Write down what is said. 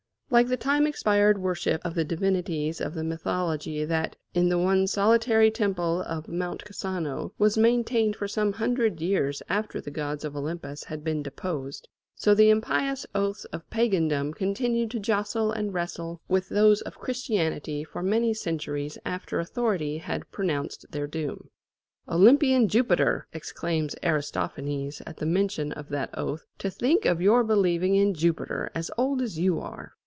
Like the time expired worship of the divinities of the mythology that, in the one solitary temple of Mount Casano, was maintained for some hundred years after the gods of Olympus had been deposed: so the impious oaths of pagandom continued to jostle and wrestle with those of Christianity for many centuries after authority had pronounced their doom. "Olympian Jupiter!" exclaims Aristophanes, at the mention of that oath, "to think of your believing in Jupiter, as old as you are!"